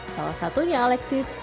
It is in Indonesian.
salah satunya alexis